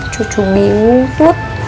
cucu bingung put